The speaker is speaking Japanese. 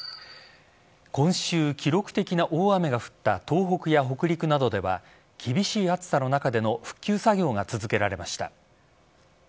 今週記録的な大雨が降った東北や北陸などでは厳しい暑さの中での復旧作業が続けられました。